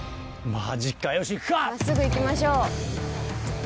真っすぐ行きましょう。